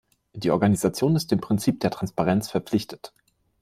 Die Organisation ist dem Prinzip der Transparenz verpflichtet.